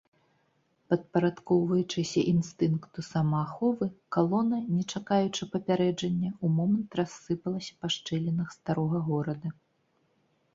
Падпарадкоўваючыся інстынкту самааховы, калона, не чакаючы папярэджання, у момант рассыпалася па шчылінах старога горада.